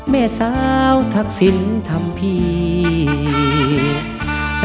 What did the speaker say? แม่สาวทักษิณธรรมภีร์